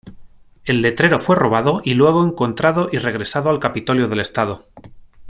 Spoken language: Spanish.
El letrero fue robado y luego encontrado y regresado al capitolio del estado.